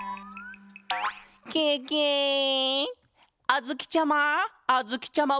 あづきちゃま！